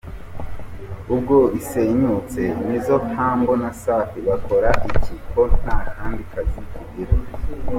Ubwo isenyutse Nizzo, Humble na Safi bakora iki, ko nta kandi kazi tugira?”.